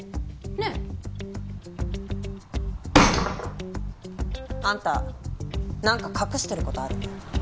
ねえ？あんたなんか隠してる事あるね。